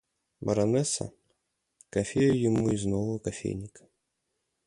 Баронесса, кофею ему из нового кофейника.